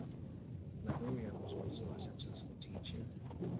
Lagoya was also a successful teacher.